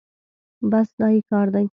بس دا يې کار ده.